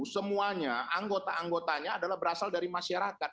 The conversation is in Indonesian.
semuanya anggota anggotanya adalah berasal dari masyarakat